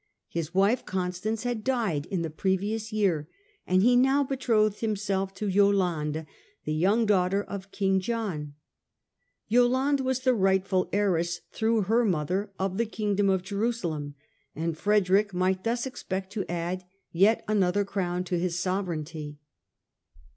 His wife, Constance, had died in the previous year, and he now betrothed himself to Yolande, the young daughter of John. Yolande was the rightful heiress, through her mother, of the Kingdom of Jerusalem, and Frederick might thus expect to add yet another crown to his sovereignty.